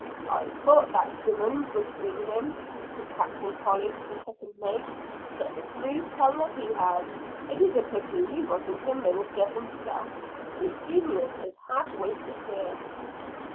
"I thought that Simmons would bring him," said Captain Tolley to the second mate; "such a smooth tongue as he has. It is a pity he wasn't a minister himself his genius is half wasted here."